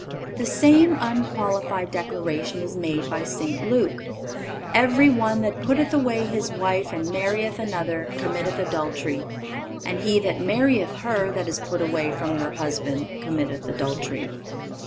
(540) The same unqualified declaration is made by St. Luke: "Every one that putteth away his wife and marrieth another committeth adultery; and he that marrieth her that is put away from her husband committeth adultery."